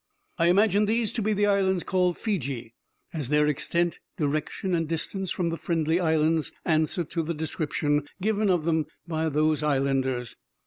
I imagine these to be the islands called Feejee, as their extent, direction, and distance from the Friendly Islands answer to the description given of them by those islanders.